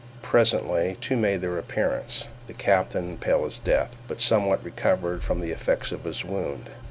Presently the two made their appearance, the captain pale as death, but somewhat recovered from the effects of his wound.